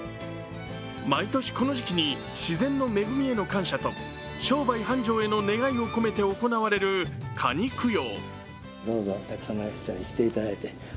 毎年この時期に自然の恵みへの感謝と商売繁盛への願いを込めて行われる、かに供養。